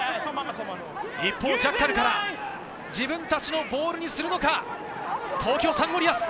一方、ジャッカルから自分たちのボールにするのか、東京サンゴリアス。